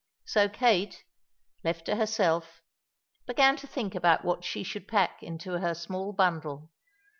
So Kate, left to herself, began to think about what she should pack into her little bundle.